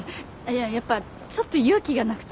やっぱちょっと勇気がなくて。